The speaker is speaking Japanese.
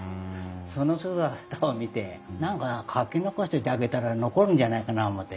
その姿を見て何か描き残しといてあげたら残るんじゃないかな思て。